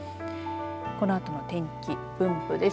このあとの天気分布です。